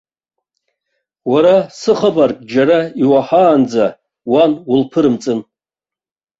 Уара схабарк џьара иуаҳаанӡа уан улԥырымҵын.